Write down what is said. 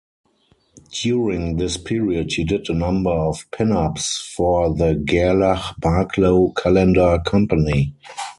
During this period, he did a number of pin-ups for the Gerlach-Barklow calendar company.